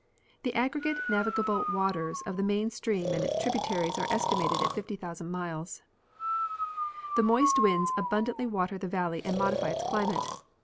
The aggregate navi gable waters of the main stream and its tributaries are estimated at 50,000 miles. The moist winds abundantly water the valley and modify its climate.